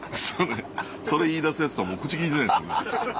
それ言い出すヤツとはもう口利いてないです。